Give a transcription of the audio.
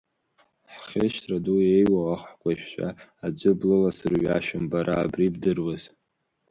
Ҳхьышьҭра ду еиуоу аҳкәажәцәа аӡәы блыласырҩашьом бара, абри бдыруаз…